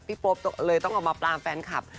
โป๊ปเลยต้องเอามาปรามแฟนคลับ